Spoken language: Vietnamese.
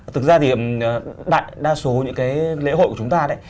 thực ra thì đại đa số những cái lễ hội của chúng ta đấy